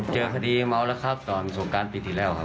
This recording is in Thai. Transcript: เจอคดีมาลคับตอนศูนย์การปีที่แล้วครับ